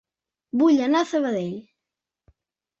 Vull anar a Sabadell